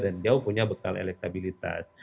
jauh punya bekal elektabilitas